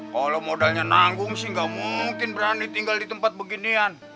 kalau modalnya nanggung sih nggak mungkin berani tinggal di tempat beginian